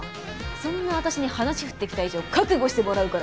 そんな私に話振ってきた以上覚悟してもらうから。